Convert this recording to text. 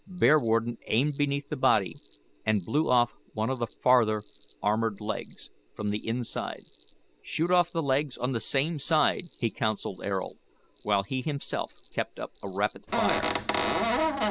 Bearwarden aimed beneath the body and blew off one of the farther armoured legs, from the inside. "Shoot off the legs on the same side," he counselled Ayrault, while he himself kept up a rapid fire.